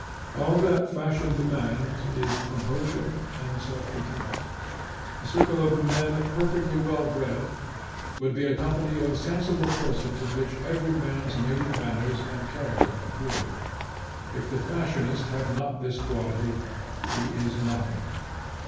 All that fashion demands is composure and self content. A circle of men perfectly well bred would be a company of sensible persons in which every man's native manners and character appeared. If the fashionist have not this quality, he is nothing.